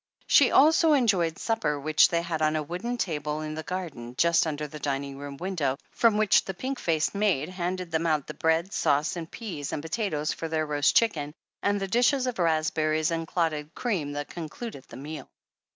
She also enjoyed supper, which they had on a wooden table in the garden, just under the dining room window, from which the pink faced maid handed them out the bread sauce and peas and potatoes for their roast chicken, and the dishes of raspberries and clotted cream that concluded the meal.